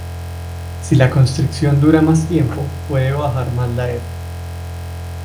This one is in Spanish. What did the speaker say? Si la constricción dura más tiempo, puede bajar más la "f".